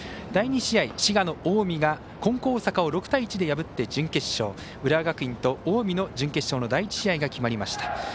第２試合、滋賀の近江が金光大阪を６対１で破って準決勝で浦和学院と近江の準決勝の第１試合が決まりました。